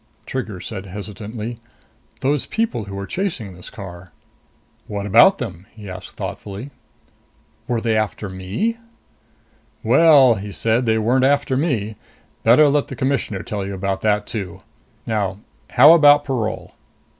Trigger said hesitantly, "Those people who were chasing this car " "What about them?" he asked thoughtfully. "Were they after me?" "Well," he said, "they weren't after me. Better let the Commissioner tell you about that, too. Now how about parole?"